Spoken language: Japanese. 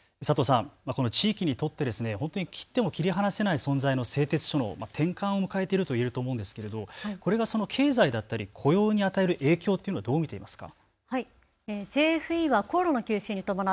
この地域にとって本当に切っても切り離せない存在の製鉄所の転換を迎えていると思うんですけどこれがその経済だったり雇用に与える影響というのはどう見ていますか。